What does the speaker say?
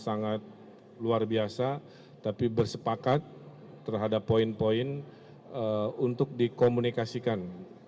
sangat luar biasa tapi bersepakat terhadap poin poin untuk dikomunikasikan